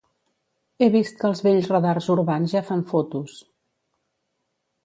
He vist que els vells radars urbans ja fan fotos.